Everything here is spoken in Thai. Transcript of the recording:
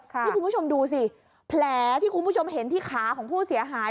นี่คุณผู้ชมดูสิแผลที่คุณผู้ชมเห็นที่ขาของผู้เสียหาย